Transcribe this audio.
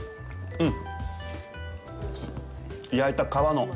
うん！